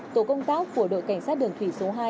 tổ công tác của đội cảnh sát đường thủy số hai